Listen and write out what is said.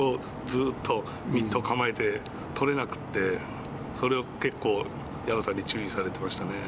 ずっとミットを構えて捕れなくってそれを結構藪さんに注意されてましたね。